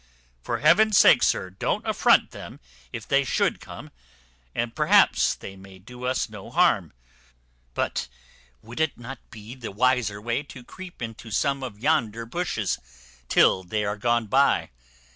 For Heaven's sake, sir, don't affront them if they should come, and perhaps they may do us no harm; but would it not be the wiser way to creep into some of yonder bushes, till they are gone by?